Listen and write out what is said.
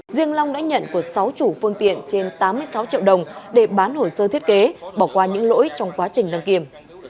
riêng long đã nhận của sáu chủ phương tiện trên tám mươi sáu triệu đồng để bán hồ sơ thiết kế bỏ qua những lỗi trong quá trình đăng kiểm